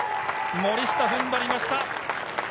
森下、踏ん張りました。